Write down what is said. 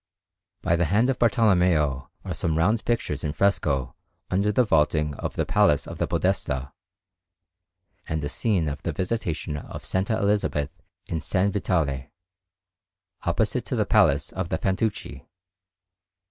Bologna: Accademia, 133_) Anderson] By the hand of Bartolommeo are some round pictures in fresco under the vaulting of the Palace of the Podestà, and a scene of the Visitation of S. Elizabeth in S. Vitale, opposite to the Palace of the Fantucci.